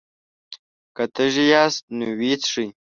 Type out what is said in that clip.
که تږي ياست نو ويې څښئ!